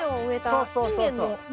そうそうそうそう。